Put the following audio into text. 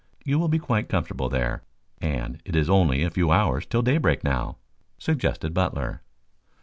You will be quite comfortable there and it is only a few hours till daybreak now," suggested Butler.